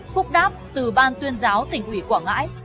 phúc đáp từ ban tuyên giáo tỉnh ủy quảng ngãi